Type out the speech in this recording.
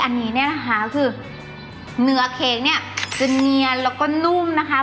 อันนี้เนี่ยนะคะคือเนื้อเค้กเนี่ยจะเนียนแล้วก็นุ่มนะคะ